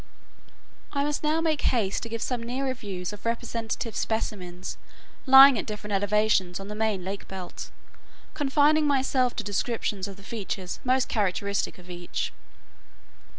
I must now make haste to give some nearer views of representative specimens lying at different elevations on the main lake belt, confining myself to descriptions of the features most characteristic of each.